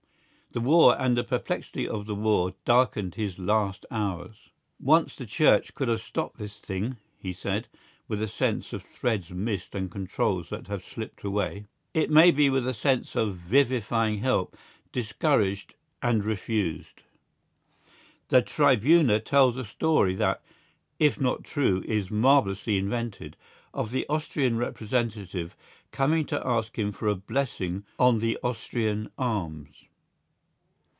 The war and the perplexity of the war darkened his last hours. "Once the Church could have stopped this thing," he said, with a sense of threads missed and controls that have slipped away—it may be with a sense of vivifying help discouraged and refused. The Tribuna tells a story that, if not true, is marvellously invented, of the Austrian representative coming to ask him for a blessing on the Austrian arms.